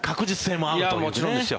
もちろんですよ。